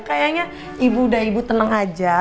kayaknya ibu udah ibu tenang aja